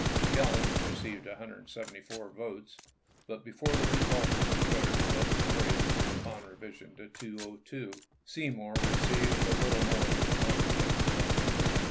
McClellan received 174 votes, but before the result was declared the vote was raised upon revision to 202 ; Seymour received a little more than one tenth of that number.